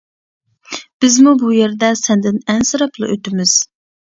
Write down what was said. بىزمۇ بۇ يەردە سەندىن ئەنسىرەپلا ئۆتىمىز.